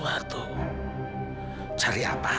kau mencuri ya